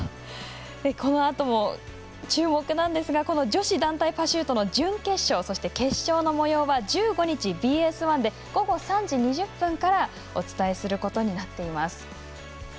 このあとも注目なんですが女子団体パシュートの準決勝、そして決勝のもようは１５日、ＢＳ１で午後３時２０分からお伝えすることになっています。